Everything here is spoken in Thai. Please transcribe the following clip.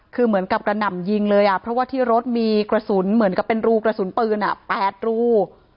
คือเหมือนกับกระหน่ำยิงเลยเพราะว่าที่รถมีกระสุนเหมือนกับเป็นรูกระสุนปืน๘รู